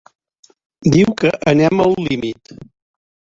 Diu que anem al límit.